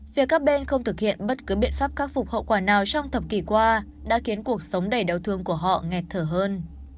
việc các bên không thực hiện bất cứ biện pháp khắc phục hậu quả nào trong thập kỷ qua đã khiến cuộc sống đầy đau thương của họ ngẹt thở hơn